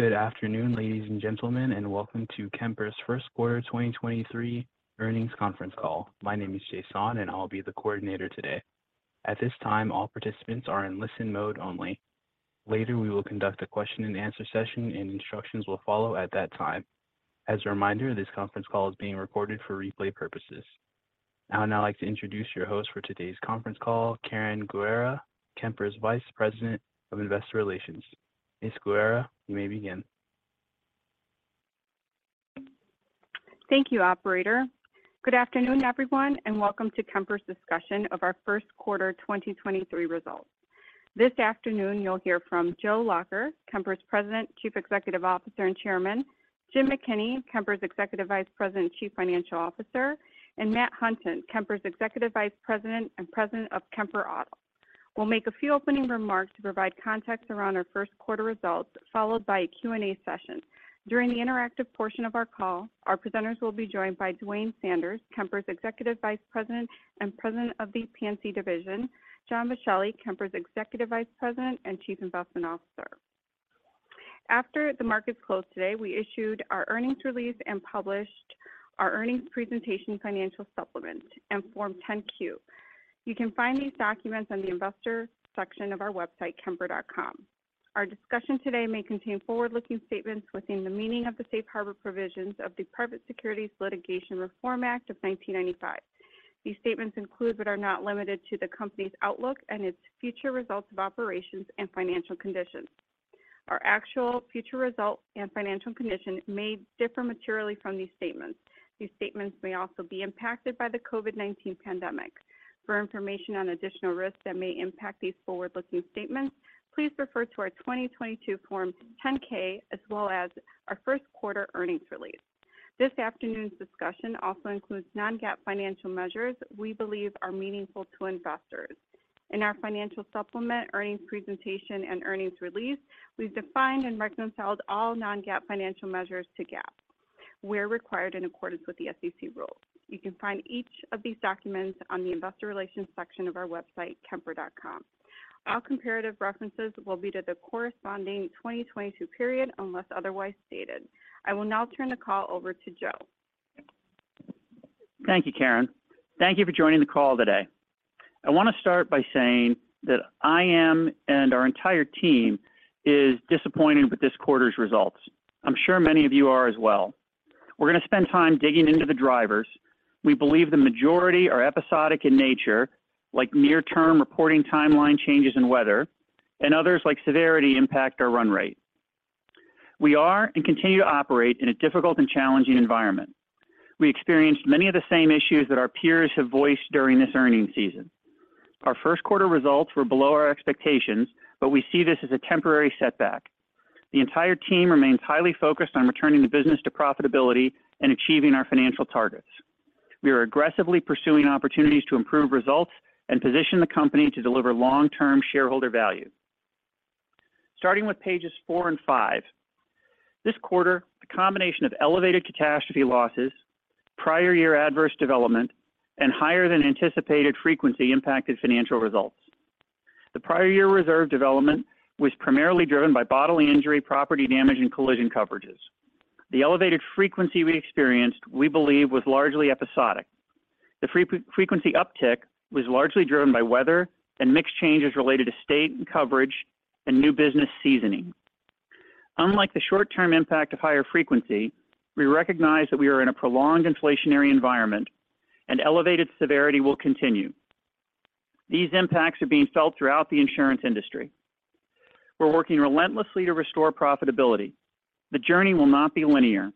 Good afternoon, ladies and gentlemen, welcome to Kemper's first quarter 2023 earnings conference call. My name is Jason, I'll be the coordinator today. At this time, all participants are in listen mode only. Later, we will conduct a question-and-answer session, and instructions will follow at that time. As a reminder, this conference call is being recorded for replay purposes. I would now like to introduce your host for today's conference call, Karen Guerra, Kemper's Vice President of Investor Relations. Ms. Guerra, you may begin. Thank you, operator. Good afternoon, everyone, and welcome to Kemper's discussion of our first quarter 2023 results. This afternoon, you'll hear from Joe Lacher, Kemper's President, Chief Executive Officer, and Chairman; Jim McKinney, Kemper's Executive Vice President and Chief Financial Officer; and Matt Hunton, Kemper's Executive Vice President and President of Kemper Auto. We'll make a few opening remarks to provide context around our first quarter results, followed by a Q&A session. During the interactive portion of our call, our presenters will be joined by Duane Sanders, Kemper's Executive Vice President and President of the P&C division; John Boschelli, Kemper's Executive Vice President and Chief Investment Officer. After the markets closed today, we issued our earnings release and published our earnings presentation financial supplement and Form 10-Q. You can find these documents on the investor section of our website, kemper.com. Our discussion today may contain forward-looking statements within the meaning of the Safe Harbor provisions of the Private Securities Litigation Reform Act of 1995. These statements include, but are not limited to, the company's outlook and its future results of operations and financial conditions. Our actual future results and financial conditions may differ materially from these statements. These statements may also be impacted by the COVID-19 pandemic. For information on additional risks that may impact these forward-looking statements, please refer to our 2022 Form 10-K as well as our first quarter earnings release. This afternoon's discussion also includes non-GAAP financial measures we believe are meaningful to investors. In our financial supplement, earnings presentation, and earnings release, we've defined and reconciled all non-GAAP financial measures to GAAP where required in accordance with the SEC rules. You can find each of these documents on the investor relations section of our website, kemper.com. All comparative references will be to the corresponding 2022 period unless otherwise stated. I will now turn the call over to Joe. Thank you, Karen. Thank you for joining the call today. I want to start by saying that I am, and our entire team is disappointed with this quarter's results. I'm sure many of you are as well. We're going to spend time digging into the drivers. We believe the majority are episodic in nature, like near-term reporting timeline changes in weather, and others, like severity, impact our run rate. We are and continue to operate in a difficult and challenging environment. We experienced many of the same issues that our peers have voiced during this earnings season. Our first quarter results were below our expectations. We see this as a temporary setback. The entire team remains highly focused on returning the business to profitability and achieving our financial targets. We are aggressively pursuing opportunities to improve results and position the company to deliver long-term shareholder value. Starting with pages four and five. This quarter, a combination of elevated catastrophe losses, prior year adverse development, and higher than anticipated frequency impacted financial results. The prior year reserve development was primarily driven by bodily injury, property damage, and collision coverages. The elevated frequency we experienced, we believe, was largely episodic. The frequency uptick was largely driven by weather and mixed changes related to state coverage and new business seasoning. Unlike the short-term impact of higher frequency, we recognize that we are in a prolonged inflationary environment and elevated severity will continue. These impacts are being felt throughout the insurance industry. We're working relentlessly to restore profitability. The journey will not be linear.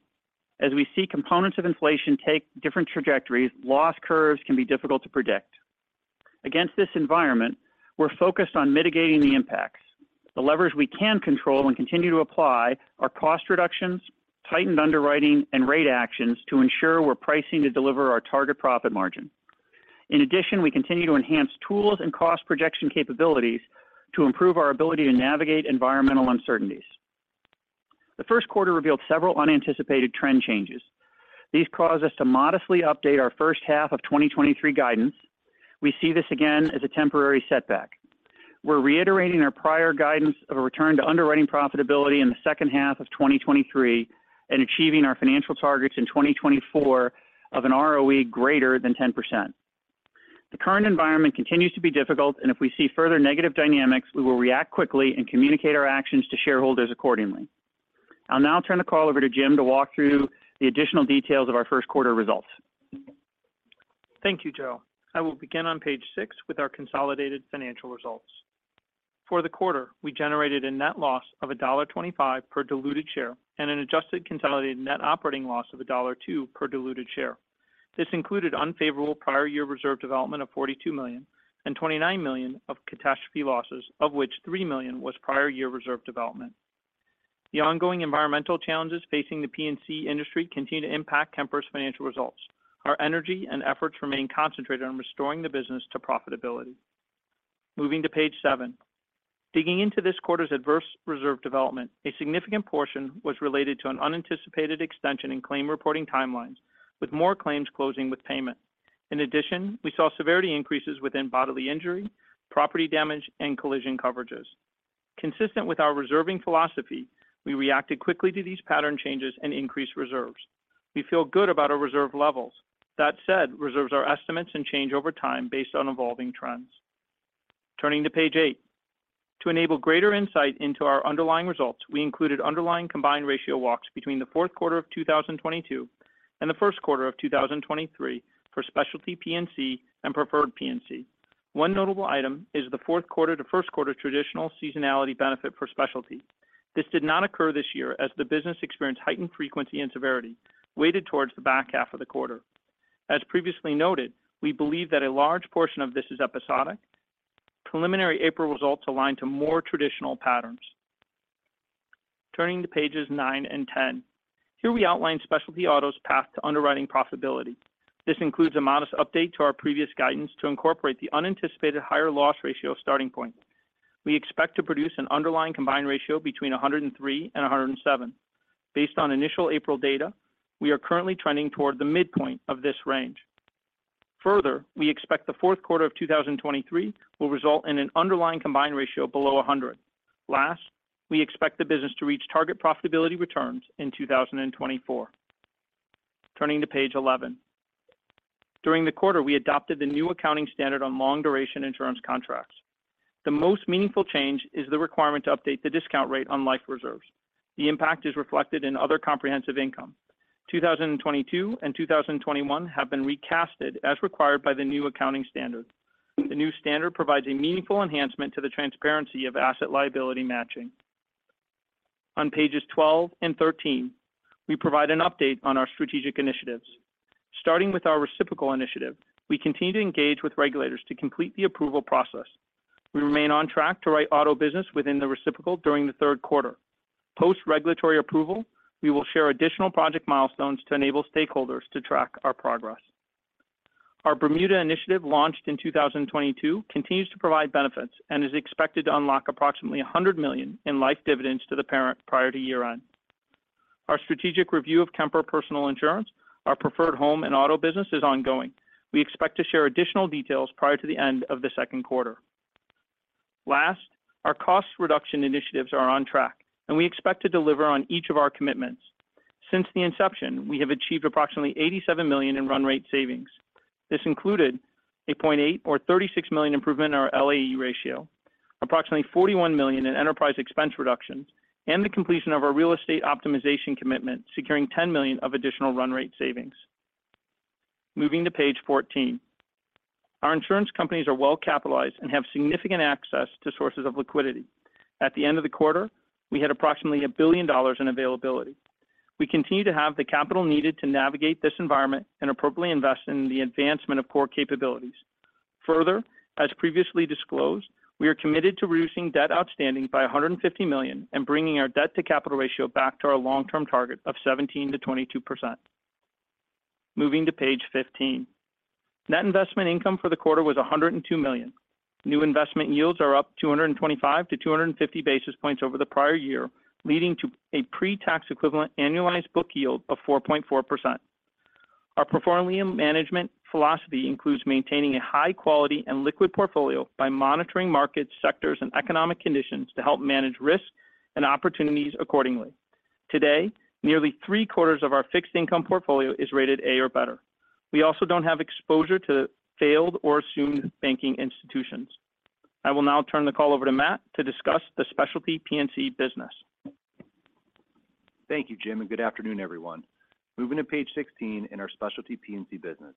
As we see components of inflation take different trajectories, loss curves can be difficult to predict. Against this environment, we're focused on mitigating the impacts. The levers we can control and continue to apply are cost reductions, tightened underwriting, and rate actions to ensure we're pricing to deliver our target profit margin. In addition, we continue to enhance tools and cost projection capabilities to improve our ability to navigate environmental uncertainties. The first quarter revealed several unanticipated trend changes. These caused us to modestly update our first half of 2023 guidance. We see this again as a temporary setback. We're reiterating our prior guidance of a return to underwriting profitability in the second half of 2023 and achieving our financial targets in 2024 of an ROE greater than 10%. The current environment continues to be difficult, and if we see further negative dynamics, we will react quickly and communicate our actions to shareholders accordingly. I'll now turn the call over to Jim to walk through the additional details of our first quarter results. Thank you, Joe. I will begin on page 6 with our consolidated financial results. For the quarter, we generated a net loss of $1.25 per diluted share and an adjusted consolidated net operating loss of $1.02 per diluted share. This included unfavorable prior year reserve development of $42 million and $29 million of catastrophe losses, of which $3 million was prior year reserve development. The ongoing environmental challenges facing the P&C industry continue to impact Kemper's financial results. Our energy and efforts remain concentrated on restoring the business to profitability. Moving to page seven. Digging into this quarter's adverse reserve development, a significant portion was related to an unanticipated extension in claim reporting timelines, with more claims closing with payment. In addition, we saw severity increases within bodily injury, property damage, and collision coverages. Consistent with our reserving philosophy, we reacted quickly to these pattern changes and increased reserves. We feel good about our reserve levels. That said, reserves are estimates and change over time based on evolving trends. Turning to page eight. To enable greater insight into our underlying results, we included underlying combined ratio walks between the fourth quarter of 2022 and the first quarter of 2023 for Specialty P&C and Preferred P&C. One notable item is the fourth quarter to first quarter traditional seasonality benefit for Specialty. This did not occur this year as the business experienced heightened frequency and severity, weighted towards the back half of the quarter. As previously noted, we believe that a large portion of this is episodic. Preliminary April results align to more traditional patterns. Turning to pages nine and 10. Here we outline Specialty Auto's path to underwriting profitability. This includes a modest update to our previous guidance to incorporate the unanticipated higher loss ratio starting point. We expect to produce an underlying combined ratio between 103% and 107%. Based on initial April data, we are currently trending toward the midpoint of this range. Further, we expect the fourth quarter of 2023 will result in an underlying combined ratio below 100%. Last, we expect the business to reach target profitability returns in 2024. Turning to page 11. During the quarter, we adopted the new accounting standard on long-duration insurance contracts. The most meaningful change is the requirement to update the discount rate on life reserves. The impact is reflected in other comprehensive income. 2022 and 2021 have been recasted as required by the new accounting standard. The new standard provides a meaningful enhancement to the transparency of asset liability matching. On pages 12 and 13, we provide an update on our strategic initiatives. Starting with our reciprocal initiative, we continue to engage with regulators to complete the approval process. We remain on track to write auto business within the reciprocal during the third quarter. Post regulatory approval, we will share additional project milestones to enable stakeholders to track our progress. Our Bermuda initiative, launched in 2022, continues to provide benefits and is expected to unlock approximately 100 million in life dividends to the parent prior to year-end. Our strategic review of Kemper Personal Insurance, our preferred home and auto business, is ongoing. We expect to share additional details prior to the end of the second quarter. Last, our cost reduction initiatives are on track, and we expect to deliver on each of our commitments. Since the inception, we have achieved approximately 87 million in run rate savings. This included a 0.8 or 36 million improvement in our LAE ratio, approximately 41 million in enterprise expense reductions, and the completion of our real estate optimization commitment, securing 10 million of additional run rate savings. Moving to page 14. Our insurance companies are well capitalized and have significant access to sources of liquidity. At the end of the quarter, we had approximately $1 billion in availability. We continue to have the capital needed to navigate this environment and appropriately invest in the advancement of core capabilities. Further, as previously disclosed, we are committed to reducing debt outstanding by 150 million and bringing our debt-to-capital ratio back to our long-term target of 17%-22%. Moving to page 15. Net investment income for the quarter was 102 million. New investment yields are up 225-250 basis points over the prior year, leading to a pre-tax equivalent annualized book yield of 4.4%. Our portfolio management philosophy includes maintaining a high quality and liquid portfolio by monitoring markets, sectors, and economic conditions to help manage risks and opportunities accordingly. Today, nearly three-quarters of our fixed income portfolio is rated A or better. We also don't have exposure to failed or assumed banking institutions. I will now turn the call over to Matt to discuss the Specialty P&C business. Thank you, Jim. Good afternoon, everyone. Moving to page 16 in our Specialty P&C business.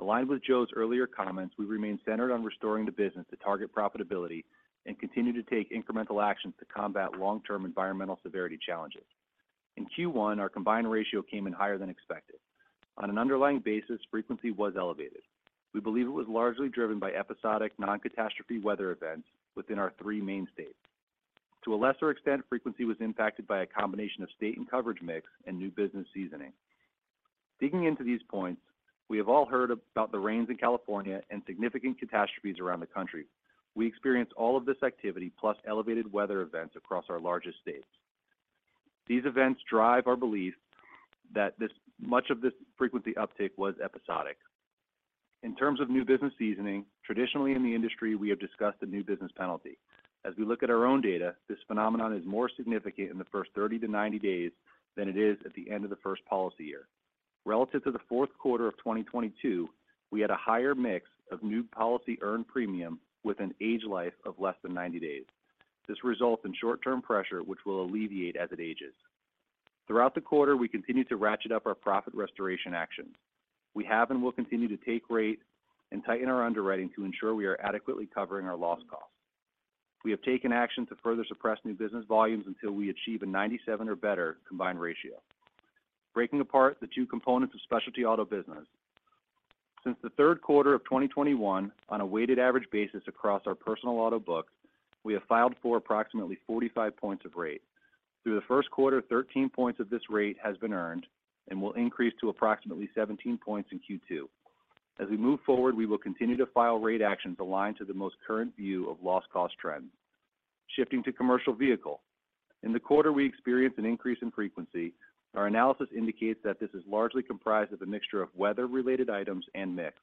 Aligned with Joe's earlier comments, we remain centered on restoring the business to target profitability and continue to take incremental actions to combat long-term environmental severity challenges. In Q1, our combined ratio came in higher than expected. On an underlying basis, frequency was elevated. We believe it was largely driven by episodic non-catastrophe weather events within our three main states. To a lesser extent, frequency was impacted by a combination of state and coverage mix and new business seasoning. Digging into these points, we have all heard about the rains in California and significant catastrophes around the country. We experienced all of this activity plus elevated weather events across our largest states. These events drive our belief that much of this frequency uptake was episodic. In terms of new business seasoning, traditionally in the industry, we have discussed the new business penalty. As we look at our own data, this phenomenon is more significant in the first 30 to 90 days than it is at the end of the first policy year. Relative to the fourth quarter of 2022, we had a higher mix of new policy earned premium with an age life of less than 90 days. This results in short-term pressure, which will alleviate as it ages. Throughout the quarter, we continued to ratchet up our profit restoration actions. We have and will continue to take rate and tighten our underwriting to ensure we are adequately covering our loss cost. We have taken action to further suppress new business volumes until we achieve a 97 or better combined ratio. Breaking apart the two components of Specialty Auto business. Since the 3rd quarter of 2021, on a weighted average basis across our personal auto books, we have filed for approximately 45 points of rate. Through the 1st quarter, 13 points of this rate has been earned and will increase to approximately 17 points in Q2. As we move forward, we will continue to file rate actions aligned to the most current view of loss cost trends. Shifting to commercial vehicle. In the quarter, we experienced an increase in frequency. Our analysis indicates that this is largely comprised of a mixture of weather-related items and mix.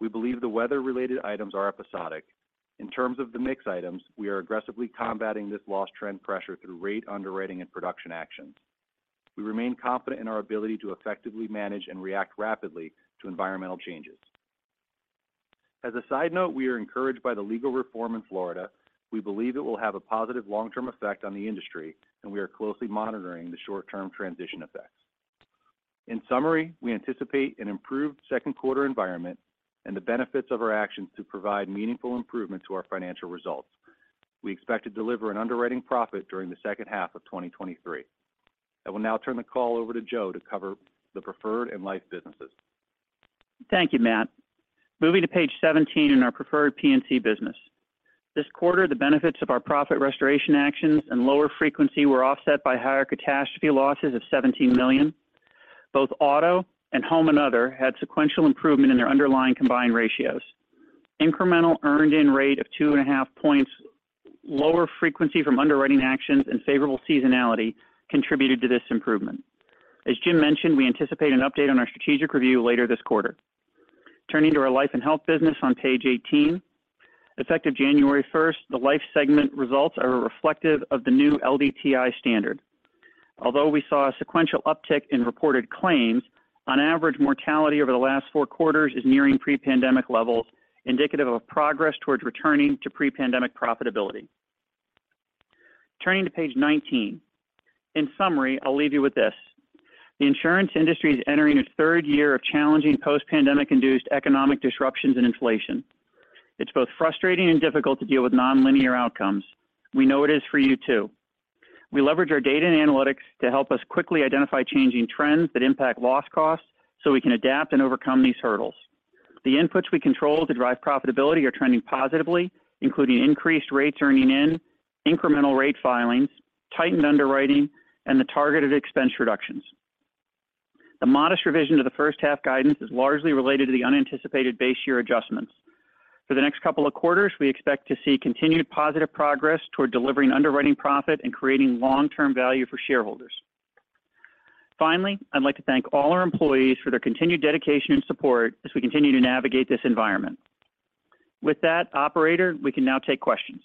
We believe the weather-related items are episodic. In terms of the mix items, we are aggressively combating this loss trend pressure through rate underwriting and production actions. We remain confident in our ability to effectively manage and react rapidly to environmental changes. As a side note, we are encouraged by the legal reform in Florida. We believe it will have a positive long-term effect on the industry. We are closely monitoring the short-term transition effects. In summary, we anticipate an improved second quarter environment and the benefits of our actions to provide meaningful improvement to our financial results. We expect to deliver an underwriting profit during the second half of 2023. I will now turn the call over to Joe to cover the preferred and life businesses. Thank you, Matt. Moving to page 17 in our Preferred P&C business. This quarter, the benefits of our profit restoration actions and lower frequency were offset by higher catastrophe losses of 17 million. Both auto and home and other had sequential improvement in their underlying combined ratios. Incremental earned in rate of 2.5 points, lower frequency from underwriting actions, and favorable seasonality contributed to this improvement. As Jim mentioned, we anticipate an update on our strategic review later this quarter. Turning to our life and health business on page 18. Effective January 1st, the life segment results are reflective of the new LDTI standard. Although we saw a sequential uptick in reported claims, on average, mortality over the last four quarters is nearing pre-pandemic levels, indicative of progress towards returning to pre-pandemic profitability. Turning to page 19. In summary, I'll leave you with this. The insurance industry is entering its third year of challenging post-pandemic induced economic disruptions and inflation. It's both frustrating and difficult to deal with nonlinear outcomes. We know it is for you too. We leverage our data and analytics to help us quickly identify changing trends that impact loss costs, so we can adapt and overcome these hurdles. The inputs we control to drive profitability are trending positively, including increased rates earning in, incremental rate filings, tightened underwriting, and the targeted expense reductions. The modest revision to the first half guidance is largely related to the unanticipated base year adjustments. For the next couple of quarters, we expect to see continued positive progress toward delivering underwriting profit and creating long-term value for shareholders. Finally, I'd like to thank all our employees for their continued dedication and support as we continue to navigate this environment. With that, operator, we can now take questions.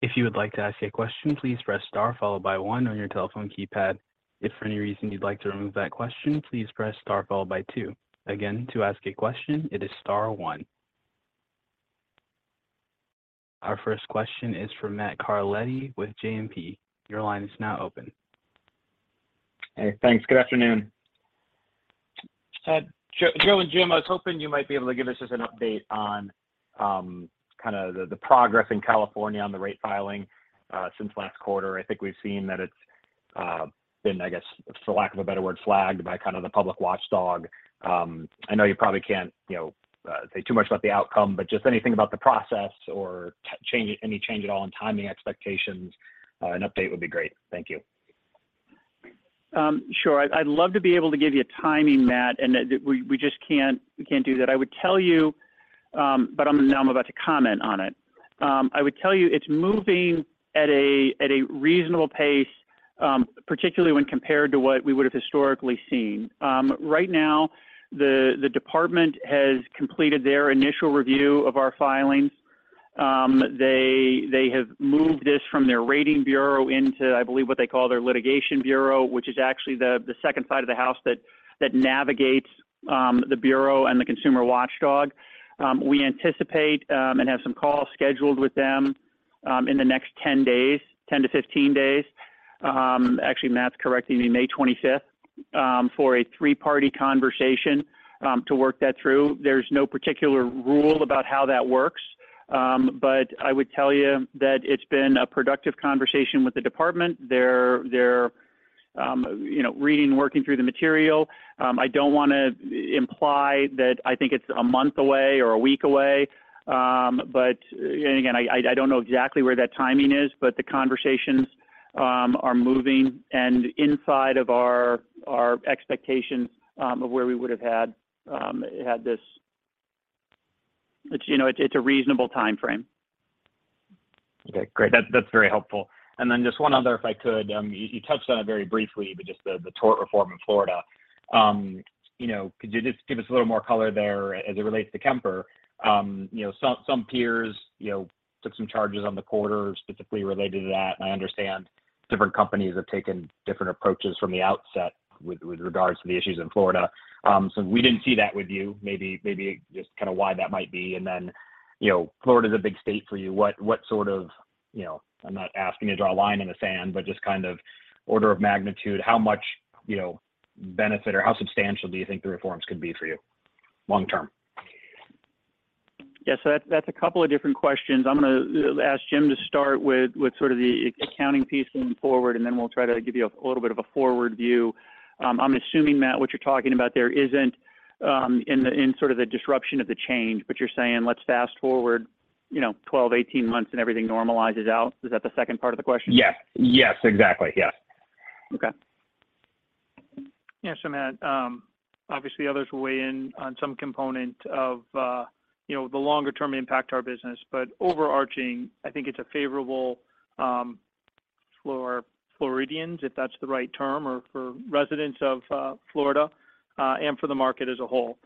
If you would like to ask a question, please press star followed by one on your telephone keypad. If for any reason you'd like to remove that question, please press star followed by two. Again, to ask a question, it is star one. Our first question is from Matt Carletti with JMP. Your line is now open. Hey, thanks. Good afternoon. Joe and Jim, I was hoping you might be able to give us just an update on kind of the progress in California on the rate filing since last quarter. I think we've seen that it's been, I guess, for lack of a better word, flagged by kind of the consumer watchdog. I know you probably can't, you know, say too much about the outcome, but just anything about the process or any change at all in timing expectations, an update would be great. Thank you. Sure. I'd love to be able to give you timing, Matt, and that we just can't, we can't do that. I would tell you, but now I'm about to comment on it. I would tell you it's moving at a reasonable pace, particularly when compared to what we would have historically seen. Right now, the department has completed their initial review of our filings. They have moved this from their rating bureau into, I believe, what they call their litigation bureau, which is actually the second side of the house that navigates the bureau and the consumer watchdog. We anticipate and have some calls scheduled with them in the next 10 days, 10-15 days. Actually, Matt's correcting me, May 25th, for a three-party conversation to work that through. There's no particular rule about how that works. I would tell you that it's been a productive conversation with the department. They're, you know, reading, working through the material. I don't want to imply that I think it's a month away or a week away. Again, I don't know exactly where that timing is, but the conversations are moving and inside of our expectations of where we would have had this. It's, you know, a reasonable timeframe. Okay, great. That's very helpful. Then just one other, if I could. You touched on it very briefly, but just the tort reform in Florida. You know, could you just give us a little more color there as it relates to Kemper? You know, some peers, you know, took some charges on the quarter specifically related to that, and I understand different companies have taken different approaches from the outset with regards to the issues in Florida. We didn't see that with you. Maybe just kinda why that might be. Then, you know, Florida's a big state for you. What sort of, you know, I'm not asking you to draw a line in the sand, but just kind of order of magnitude, how much, you know, benefit or how substantial do you think the reforms could be for you long term? Yeah. That's a couple of different questions. I'm going to ask Jim to start with sort of the accounting piece going forward, and then we'll try to give you a little bit of a forward view. I'm assuming, Matt, what you're talking about there isn't in sort of the disruption of the change, but you're saying, let's fast-forward, you know, 12, 18 months, and everything normalizes out. Is that the second part of the question? Yes. Yes. Exactly. Yes. Okay. Matt, obviously others will weigh in on some component of, you know, the longer-term impact to our business. Overarching, I think it's a favorable for Floridians, if that's the right term, or for residents of Florida, and for the market as a whole.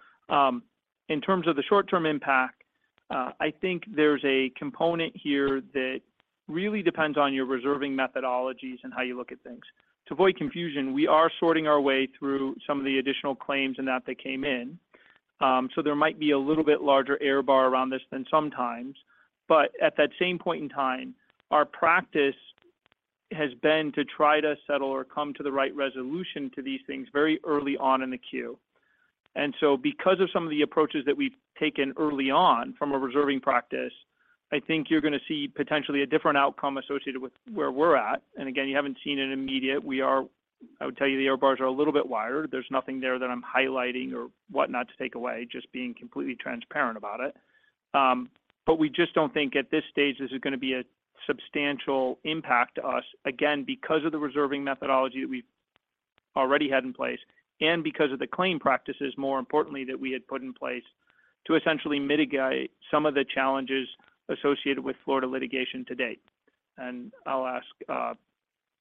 In terms of the short-term impact, I think there's a component here that really depends on your reserving methodologies and how you look at things. To avoid confusion, we are sorting our way through some of the additional claims and that they came in, so there might be a little bit larger error bar around this than sometimes. At that same point in time, our practice has been to try to settle or come to the right resolution to these things very early on in the queue. Because of some of the approaches that we've taken early on from a reserving practice, I think you're going to see potentially a different outcome associated with where we're at. Again, you haven't seen an immediate. I would tell you the error bars are a little bit wider. There's nothing there that I'm highlighting or whatnot to take away, just being completely transparent about it. We just don't think at this stage, this is going to be a substantial impact to us, again, because of the reserving methodology that we've already had in place and because of the claim practices, more importantly, that we had put in place to essentially mitigate some of the challenges associated with Florida litigation to date. I'll ask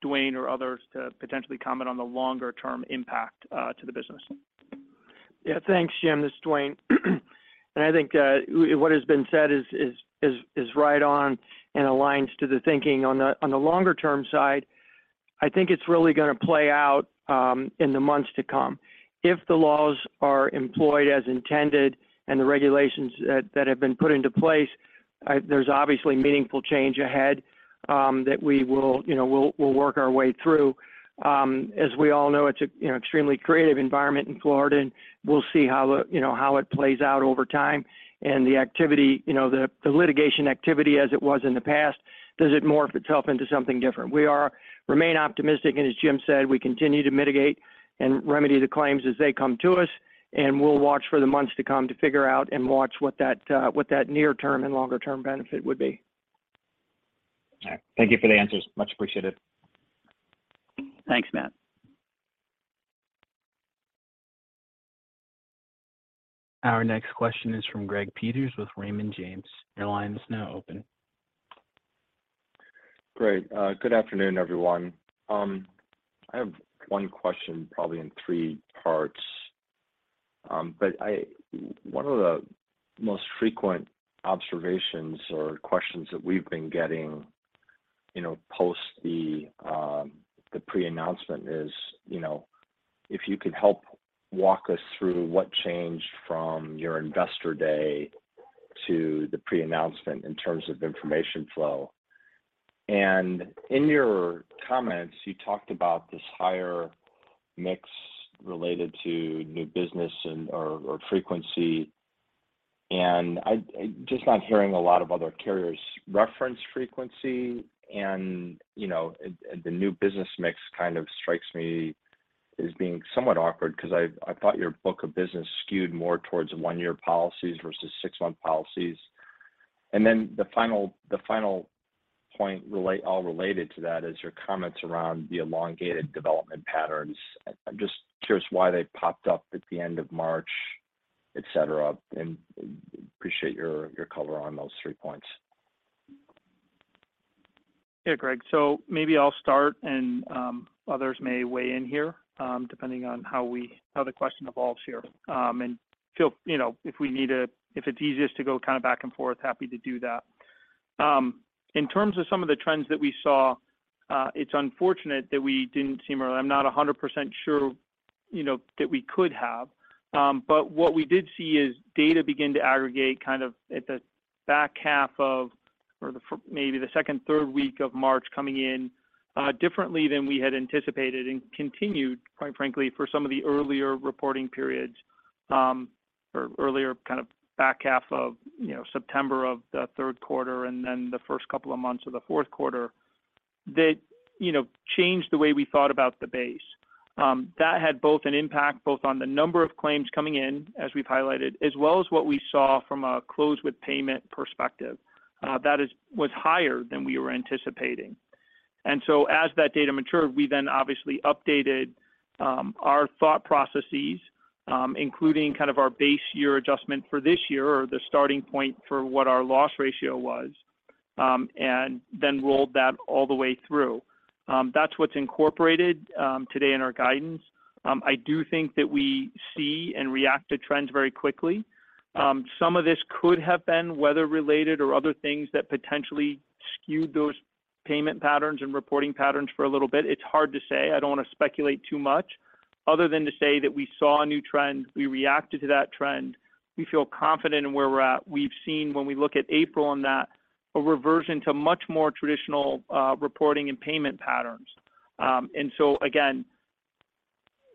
Duane or others to potentially comment on the longer term impact to the business. Yeah. Thanks, Jim. This is Duane. I think what has been said is right on and aligns to the thinking on the longer term side. I think it's really going to play out in the months to come. If the laws are employed as intended and the regulations that have been put into place, there's obviously meaningful change ahead that we will, you know, we'll work our way through. As we all know, it's a, you know, extremely creative environment in Florida, and we'll see how the, you know, how it plays out over time and the activity, you know, the litigation activity as it was in the past, does it morph itself into something different? We remain optimistic, and as Jim said, we continue to mitigate and remedy the claims as they come to us, and we'll watch for the months to come to figure out and watch what that, what that near term and longer term benefit would be. All right. Thank you for the answers. Much appreciated. Thanks, Matt. Our next question is from Greg Peters with Raymond James. Your line is now open. Great. good afternoon, everyone. I have one question probably in three parts. One of the most frequent observations or questions that we've been getting, you know, post the pre-announcement is, you know, if you could help walk us through what changed from your investor day to the pre-announcement in terms of information flow. In your comments, you talked about this higher mix related to new business and/or frequency. just not hearing a lot of other carriers reference frequency and, you know, the new business mix kind of strikes me as being somewhat awkward because I thought your book of business skewed more towards one-year policies versus six-month policies. Then the final point all related to that is your comments around the elongated development patterns. I'm just curious why they popped up at the end of March, et cetera, and appreciate your color on those 3 points. Yeah, Greg. Maybe I'll start and others may weigh in here, depending on how the question evolves here. Feel, you know, if we need to if it's easiest to go kind of back and forth, happy to do that. In terms of some of the trends that we saw, it's unfortunate that we didn't see them earlier. I'm not 100% sure, you know, that we could have. What we did see is data begin to aggregate kind of at the back half of or maybe the second, third week of March coming in, differently than we had anticipated and continued, quite frankly, for some of the earlier reporting periods, or earlier kind of back half of, you know, September of the 3rd quarter and then the first couple of months of the 4th quarter that, you know, changed the way we thought about the base. That had both an impact both on the number of claims coming in as we've highlighted, as well as what we saw from a close with payment perspective, that was higher than we were anticipating. As that data matured, we then obviously updated our thought processes, including kind of our base year adjustment for this year or the starting point for what our loss ratio was, and then rolled that all the way through. That's what's incorporated today in our guidance. I do think that we see and react to trends very quickly. Some of this could have been weather related or other things that potentially skewed those payment patterns and reporting patterns for a little bit. It's hard to say. I don't want to speculate too much other than to say that we saw a new trend. We reacted to that trend. We feel confident in where we're at. We've seen when we look at April and that a reversion to much more traditional reporting and payment patterns. Again,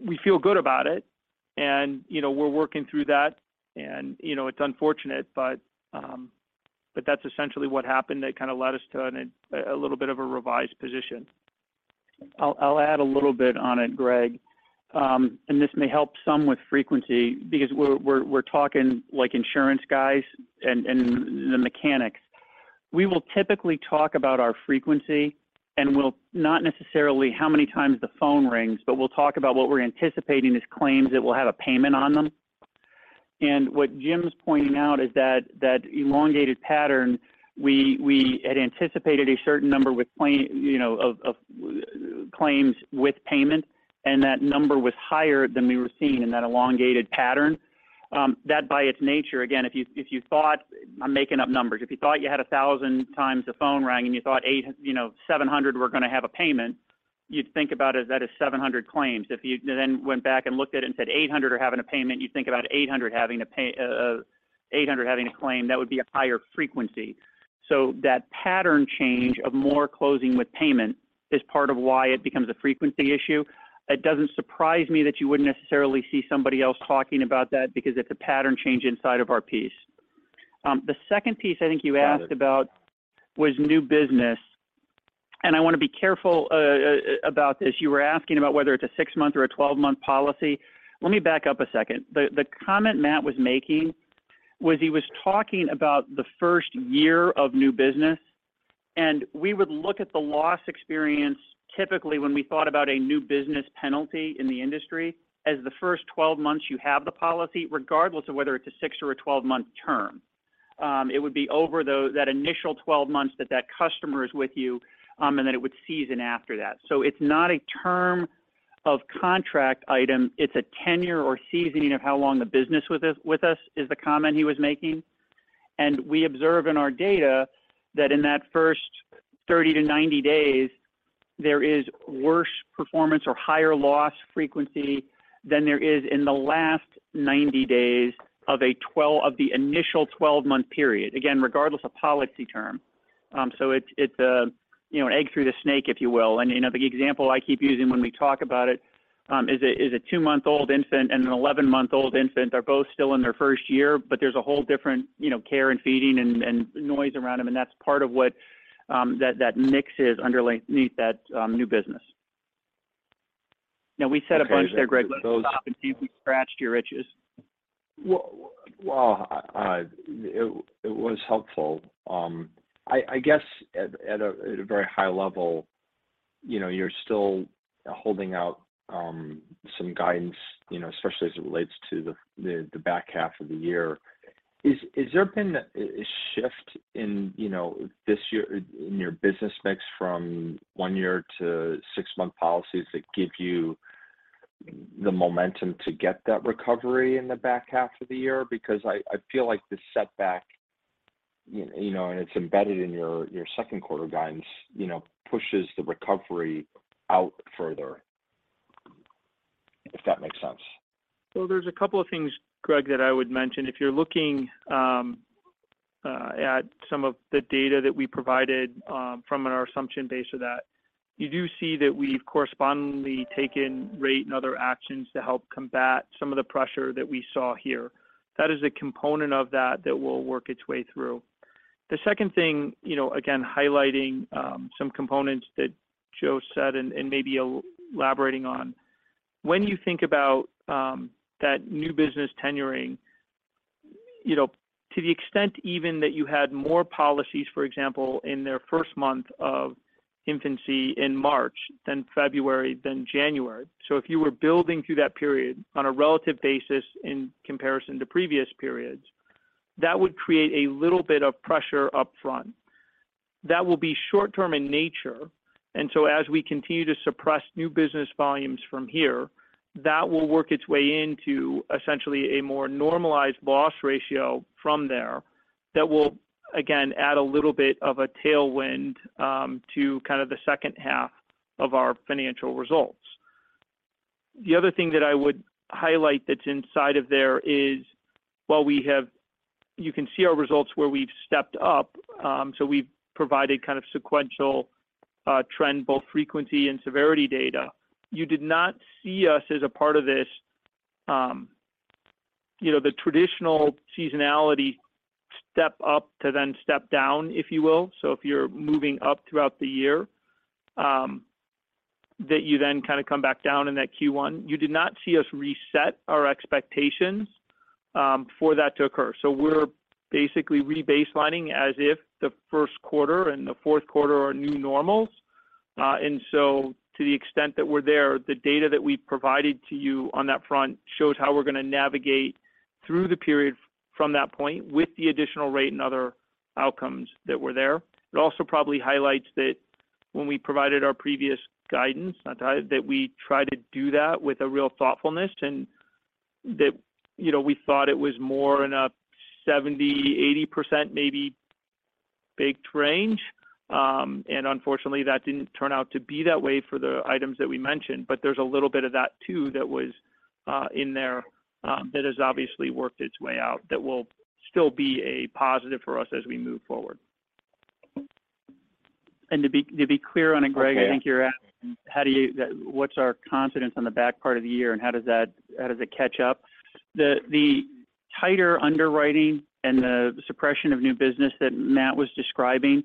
we feel good about it and, you know, we're working through that and, you know, it's unfortunate, but that's essentially what happened that kind of led us to a little bit of a revised position. I'll add a little bit on it, Greg. This may help some with frequency because we're talking like insurance guys and the mechanics We will typically talk about our frequency not necessarily how many times the phone rings, but we'll talk about what we're anticipating as claims that will have a payment on them. What Jim's pointing out is that that elongated pattern we had anticipated a certain number with claim, you know, of claims with payment, and that number was higher than we were seeing in that elongated pattern. That by its nature, again, if you thought I'm making up numbers. If you thought you had 1,000 times the phone rang and you thought, you know, 700 were going to have a payment, you'd think about it as that is 700 claims. If you then went back and looked at it and said 800 are having a payment, you'd think about 800 having a claim, that would be a higher frequency. That pattern change of more closing with payment is part of why it becomes a frequency issue. It doesn't surprise me that you wouldn't necessarily see somebody else talking about that because it's a pattern change inside of our piece. The second piece I think you asked about was new business, I want to be careful about this. You were asking about whether it's a 6-month or a 12-month policy. Let me back up 1 second. The comment Matt was making was he was talking about the first year of new business. We would look at the loss experience typically when we thought about a new business penalty in the industry as the first 12 months you have the policy, regardless of whether it's a six or a 12-month term. It would be over that initial 12 months that that customer is with you, and then it would season after that. It's not a term of contract item, it's a tenure or seasoning of how long the business with us is the comment he was making. We observe in our data that in that first 30 to 90 days, there is worse performance or higher loss frequency than there is in the last 90 days of the initial 12-month period, again, regardless of policy term. So it's a, you know, an egg through the snake, if you will. You know, the example I keep using when we talk about it, is a, is a two-month-old infant and an 11-month-old infant are both still in their first year, but there's a whole different, you know, care and feeding and noise around them, and that's part of what that mix is underneath that new business. We said a bunch there, Greg. Let me stop and see if we scratched your itches. Well, it was helpful. I guess at a very high level, you know, you're still holding out some guidance, you know, especially as it relates to the back half of the year. Has there been a shift in, you know, this year in your business mix from one-year to six-month policies that give you the momentum to get that recovery in the back half of the year? I feel like the setback, you know, and it's embedded in your second quarter guidance, you know, pushes the recovery out further, if that makes sense? There's a couple of things, Greg, that I would mention. If you're looking at some of the data that we provided from our assumption base of that, you do see that we've correspondingly taken rate and other actions to help combat some of the pressure that we saw here. That is a component of that that will work its way through. The second thing, you know, again, highlighting some components that Joe said and maybe elaborating on, when you think about that new business tenuring, you know, to the extent even that you had more policies, for example, in their first month of infancy in March than February than January. If you were building through that period on a relative basis in comparison to previous periods, that would create a little bit of pressure up front. That will be short term in nature. As we continue to suppress new business volumes from here, that will work its way into essentially a more normalized loss ratio from there that will again add a little bit of a tailwind to kind of the second half of our financial results. The other thing that I would highlight that's inside of there is while you can see our results where we've stepped up, so we've provided kind of sequential trend, both frequency and severity data. You did not see us as a part of this, you know, the traditional seasonality step up to then step down, if you will. If you're moving up throughout the year, that you then kind of come back down in that Q1. You did not see us reset our expectations for that to occur. We're basically rebaselining as if the 1st quarter and the 4th quarter are new normals. To the extent that we're there, the data that we provided to you on that front shows how we're going to navigate through the period from that point with the additional rate and other outcomes that were there. It also probably highlights that when we provided our previous guidance, that we try to do that with a real thoughtfulness and that, you know, we thought it was more in a 70%-80% maybe baked range. Unfortunately, that didn't turn out to be that way for the items that we mentioned, but there's a little bit of that too that was in there that has obviously worked its way out that will still be a positive for us as we move forward. To be clear on it, Greg. Okay I think you're asking what's our confidence on the back part of the year and how does it catch up? The tighter underwriting and the suppression of new business that Matt was describing,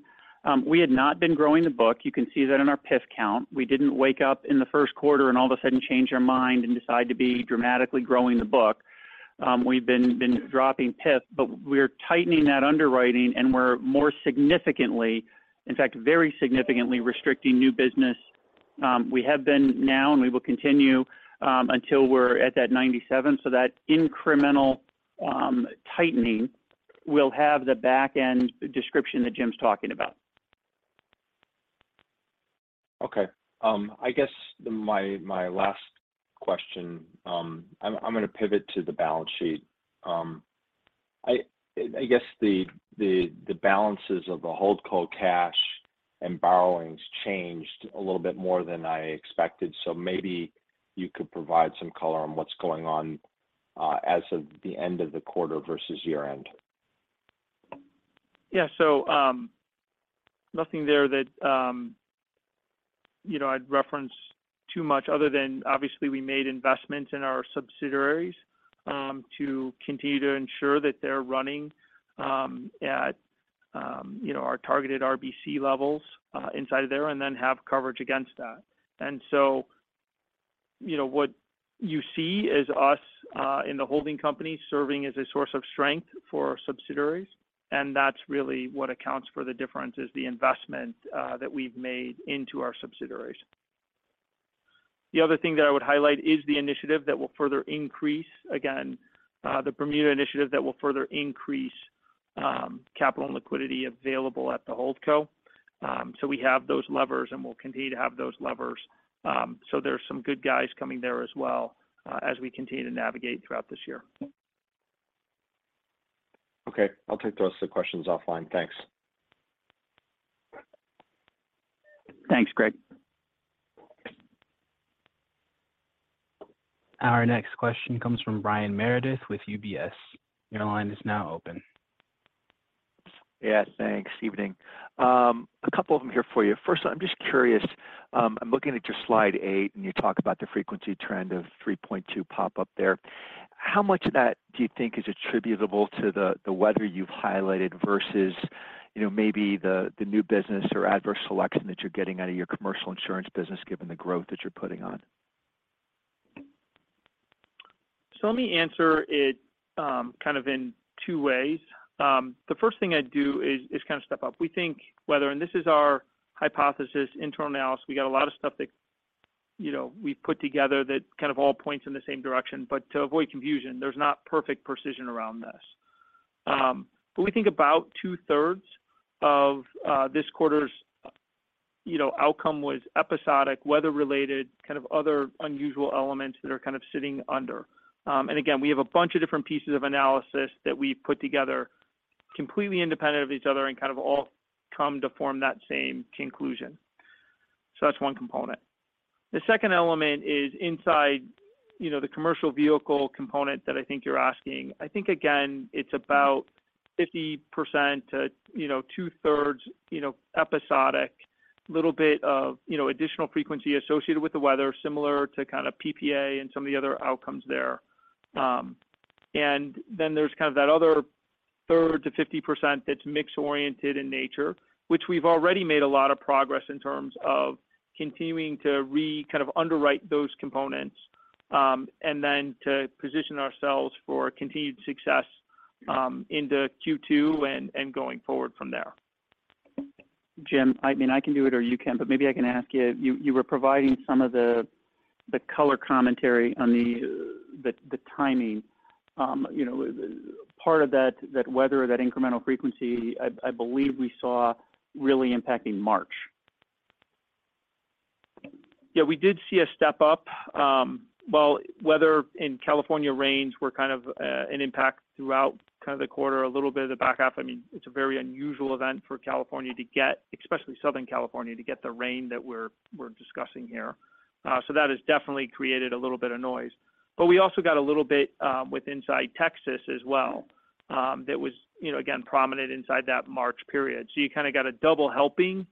we had not been growing the book. You can see that in our PIF count. We didn't wake up in the first quarter and all of a sudden change our mind and decide to be dramatically growing the book. We've been dropping PIP, but we're tightening that underwriting, and we're more significantly, in fact, very significantly restricting new business. We have been now, and we will continue until we're at that 97. That incremental tightening will have the back end description that Jim's talking about. Okay. I guess my last question, I'm going to pivot to the balance sheet. I guess the balances of the HoldCo cash and borrowings changed a little bit more than I expected. Maybe you could provide some color on what's going on as of the end of the quarter versus year-end? Yeah. Nothing there that, you know, I'd reference too much other than obviously we made investments in our subsidiaries to continue to ensure that they're running at, you know, our targeted RBC levels inside of there and then have coverage against that. You know, what you see is us in the holding company serving as a source of strength for our subsidiaries, and that's really what accounts for the difference is the investment that we've made into our subsidiaries. The other thing that I would highlight is the initiative that will further increase, again, the Bermuda initiative that will further increase capital and liquidity available at the holdco. We have those levers, and we'll continue to have those levers. There's some good guys coming there as well, as we continue to navigate throughout this year. Okay. I'll take the rest of the questions offline. Thanks. Thanks, Greg. Our next question comes from Brian Meredith with UBS. Your line is now open. Thanks. Evening. A couple of them here for you. First, I'm just curious, I'm looking at your slide eight, and you talk about the frequency trend of 3.2 pop up there. How much of that do you think is attributable to the weather you've highlighted versus, you know, maybe the new business or adverse selection that you're getting out of your commercial insurance business given the growth that you're putting on? Let me answer it, kind of in two ways. The first thing I'd do is kind of step up. We think weather, and this is our hypothesis, internal analysis, we got a lot of stuff that, you know, we've put together that kind of all points in the same direction. To avoid confusion, there's not perfect precision around this. We think about two-thirds of this quarter's, you know, outcome was episodic, weather-related, kind of other unusual elements that are kind of sitting under. Again, we have a bunch of different pieces of analysis that we've put together completely independent of each other and kind of all come to form that same conclusion. That's one component. The second element is inside, you know, the commercial vehicle component that I think you're asking. I think again, it's about 50% to, you know, two-thirds, you know, episodic, little bit of, you know, additional frequency associated with the weather, similar to kind of PPA and some of the other outcomes there. There's kind of that other third to 50% that's mix-oriented in nature, which we've already made a lot of progress in terms of continuing to kind of underwrite those components, and then to position ourselves for continued success into Q2 and going forward from there. Jim, I mean, I can do it or you can, but maybe I can ask you. You were providing some of the color commentary on the timing. You know, part of that weather or that incremental frequency, I believe we saw really impacting March. We did see a step-up. Well, weather in California rains were kind of an impact throughout kind of the quarter, a little bit of the back half. I mean, it's a very unusual event for California to get, especially Southern California, to get the rain that we're discussing here. That has definitely created a little bit of noise. We also got a little bit with inside Texas as well, that was, you know, again, prominent inside that March period. You kind of got a double helping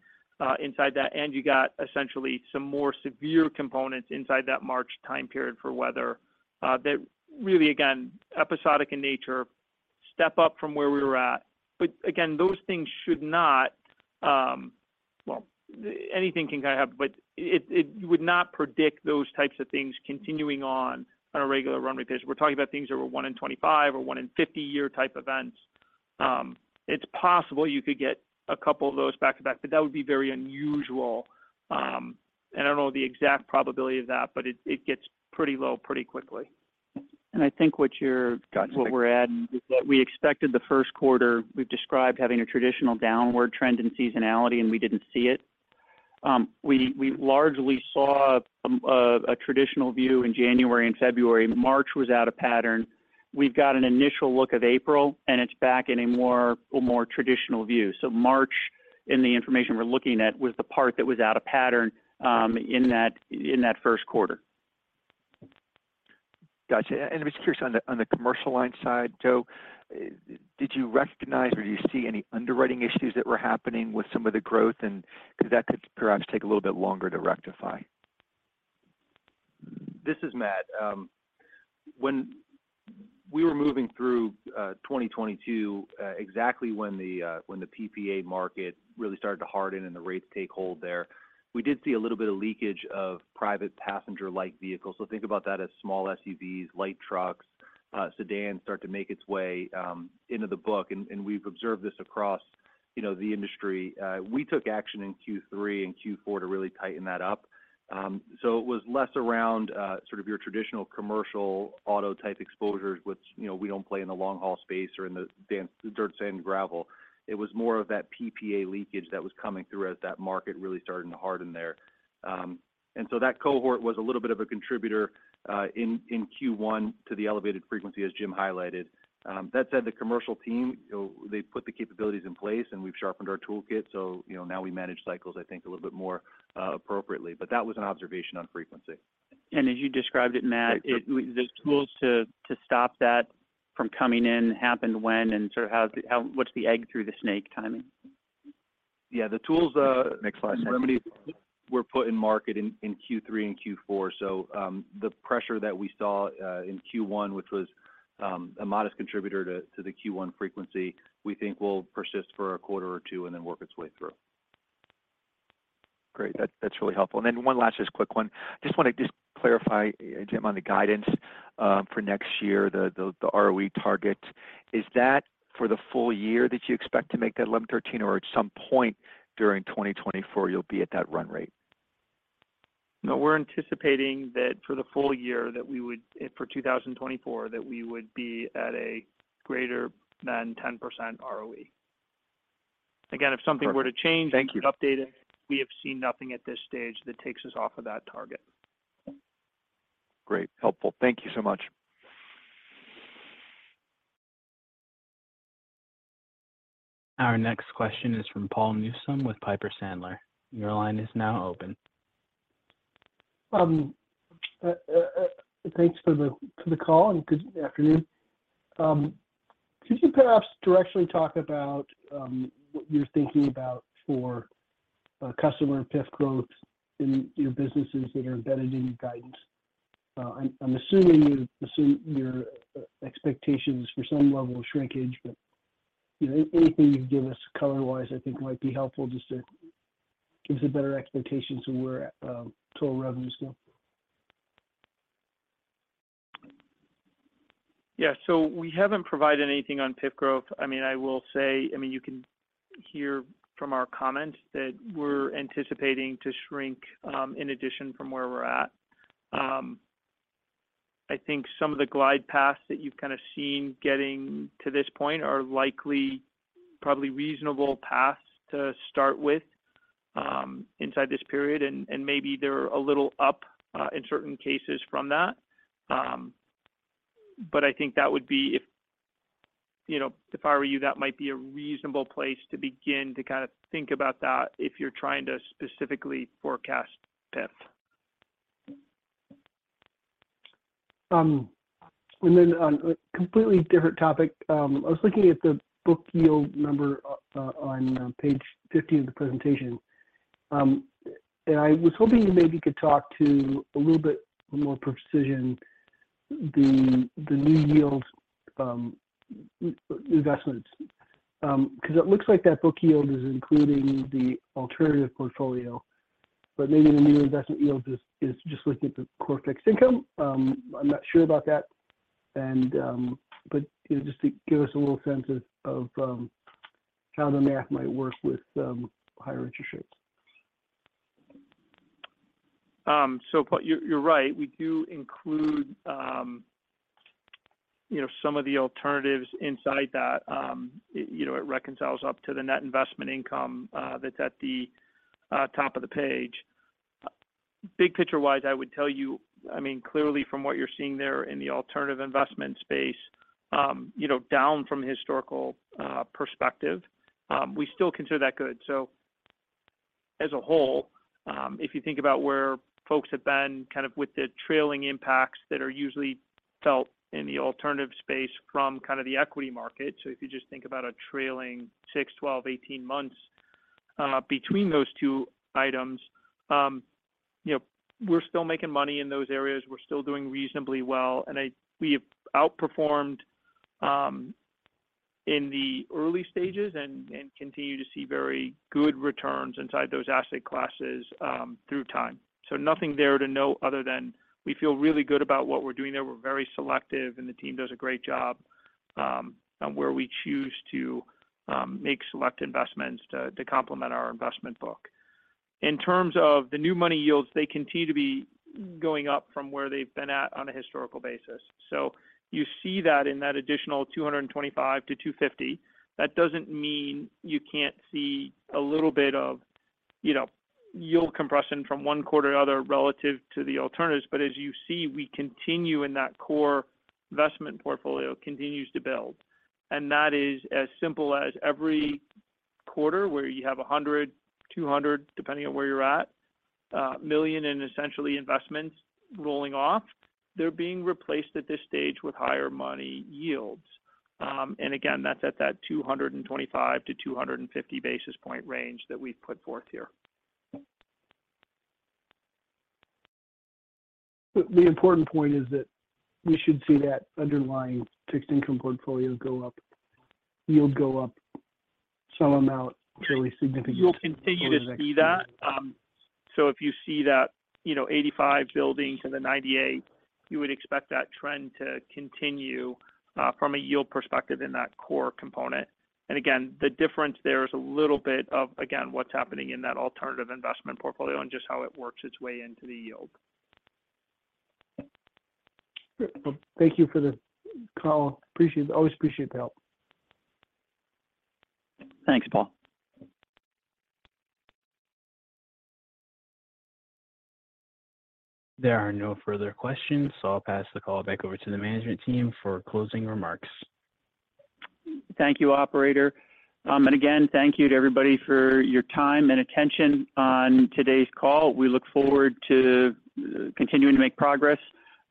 inside that, and you got essentially some more severe components inside that March time period for weather that really, again, episodic in nature, step up from where we were at. Again, those things should not. Anything can kind of happen, but it would not predict those types of things continuing on on a regular run because we're talking about things that were one in 25 or one in 50-year type events. It's possible you could get a couple of those back to back, but that would be very unusual. I don't know the exact probability of that, but it gets pretty low pretty quickly. I think what we're adding is that we expected the first quarter, we've described having a traditional downward trend in seasonality, and we didn't see it. We largely saw a traditional view in January and February. March was out of pattern. We've got an initial look of April, and it's back in a more traditional view. March, in the information we're looking at, was the part that was out of pattern in that first quarter. Got you. I'm just curious on the, on the commercial line side, Joe, did you recognize or do you see any underwriting issues that were happening with some of the growth and 'cause that could perhaps take a little bit longer to rectify. This is Matt. When we were moving through 2022, exactly when the PPA market really started to harden and the rates take hold there, we did see a little bit of leakage of private passenger light vehicles. Think about that as small SUVs, light trucks. sedan start to make its way into the book. We've observed this across, you know, the industry. we took action in Q3 and Q4 to really tighten that up. It was less around sort of your traditional commercial auto type exposures, which, you know, we don't play in the long haul space or in the DSG-- the dirt, sand, and gravel. It was more of that PPA leakage that was coming through as that market really started to harden there. That cohort was a little bit of a contributor in Q1 to the elevated frequency, as Jim highlighted. That said, the commercial team, you know, they put the capabilities in place, and we've sharpened our toolkit. You know, now we manage cycles, I think, a little bit more appropriately. That was an observation on frequency. As you described it, Matt, the tools to stop that from coming in happened when and sort of how? What's the egg through the snake timing? Yeah. The tools, Next slide.... remedies were put in market in Q3 and Q4. The pressure that we saw in Q1, which was a modest contributor to the Q1 frequency, we think will persist for a quarter or two and then work its way through. Great. That's really helpful. Then one last just quick one. Just want to clarify, Jim, on the guidance for next year, the ROE target. Is that for the full year that you expect to make that 11%-13% or at some point during 2024 you'll be at that run rate? No. We're anticipating that for the full year that we would, for 2024, that we would be at a greater than 10% ROE. Again, if something were to change. Thank you. we'd update it. We have seen nothing at this stage that takes us off of that target. Great. Helpful. Thank you so much. Our next question is from Paul Newsome with Piper Sandler. Your line is now open. Thanks for the call and good afternoon. Could you perhaps directly talk about what you're thinking about for customer PIF growth in your businesses that are embedded in your guidance? I'm assuming you assume your expectations for some level of shrinkage, but, you know, anything you can give us color-wise I think might be helpful just to give us a better expectation to where total revenues go. Yeah. We haven't provided anything on PIF growth. I mean, I will say. I mean, you can hear from our comments that we're anticipating to shrink in addition from where we're at. I think some of the glide paths that you've kind of seen getting to this point are likely probably reasonable paths to start with inside this period, and maybe they're a little up in certain cases from that. I think that would be if. You know, if I were you, that might be a reasonable place to begin to kind of think about that if you're trying to specifically forecast PIF. Then on a completely different topic, I was looking at the book yield number on page 50 of the presentation. I was hoping you maybe could talk to a little bit more precision the new yield investments. 'Cause it looks like that book yield is including the alternative portfolio, but maybe the new investment yield is just looking at the core fixed income. I'm not sure about that. Just to give us a little sense of how the math might work with higher interest rates. Paul, you're right. We do include, you know, some of the alternatives inside that. You know, it reconciles up to the net investment income that's at the top of the page. Big picture-wise, I would tell you, I mean, clearly from what you're seeing there in the alternative investment space, you know, down from a historical perspective, we still consider that good. As a whole, if you think about where folks have been kind of with the trailing impacts that are usually felt in the alternative space from kind of the equity market. If you just think about a trailing six, 12, 18 months between those two items, you know, we're still making money in those areas. We're still doing reasonably well. We have outperformed in the early stages and continue to see very good returns inside those asset classes through time. Nothing there to know other than we feel really good about what we're doing there. We're very selective, and the team does a great job on where we choose to make select investments to complement our investment book. In terms of the new money yields, they continue to be going up from where they've been at on a historical basis. You see that in that additional 225-250. That doesn't mean you can't see a little bit of, you know, yield compression from one quarter to another relative to the alternatives. As you see, we continue in that core investment portfolio continues to build. That is as simple as every quarter where you have 100 million, 200 million, depending on where you're at, in essentially investments rolling off. They're being replaced at this stage with higher money yields. Again, that's at that 225 to 250 basis point range that we've put forth here. The important point is that we should see that underlying fixed income portfolio go up, yield go up some amount. You'll continue to see that. If you see that, you know, 85 building to the 98, you would expect that trend to continue from a yield perspective in that core component. Again, the difference there is a little bit of, again, what's happening in that alternative investment portfolio and just how it works its way into the yield. Thank you for the call. Always appreciate the help. Thanks, Paul. There are no further questions, so I'll pass the call back over to the management team for closing remarks. Thank you, operator. Again, thank you to everybody for your time and attention on today's call. We look forward to continuing to make progress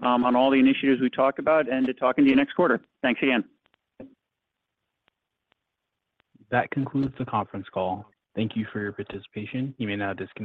on all the initiatives we talked about and to talking to you next quarter. Thanks again. That concludes the conference call. Thank you for your participation. You may now disconnect.